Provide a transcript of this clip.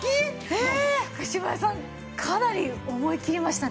もう島屋さんかなり思いきりましたね。